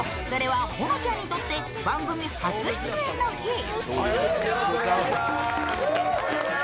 それは保乃ちゃんにとって番組初出演の日。